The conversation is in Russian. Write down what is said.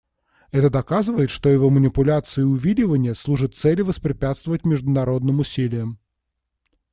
Это доказывает, что его манипуляции и увиливания служат цели воспрепятствовать международным усилиям.